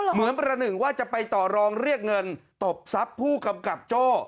เหมือนประหนึ่งว่าจะไปต่อรองเรียกเงินตบทรัพย์ผู้กำกับโจ้